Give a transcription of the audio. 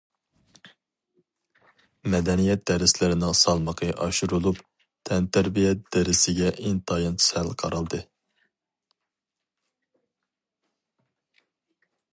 مەدەنىيەت دەرسلىرىنىڭ سالمىقى ئاشۇرۇلۇپ، تەنتەربىيە دەرسىگە ئىنتايىن سەل قارالدى.